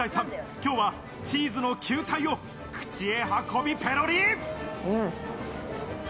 今日はチーズの球体を口へ運び、ペロリ。